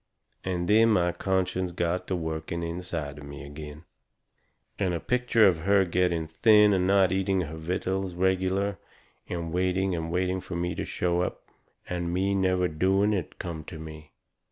And then my conscience got to working inside of me agin. And a picture of her getting thin and not eating her vittles regular and waiting and waiting fur me to show up, and me never doing it, come to me.